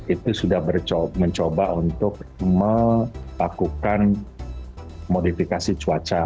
itu sudah mencoba untuk melakukan modifikasi cuaca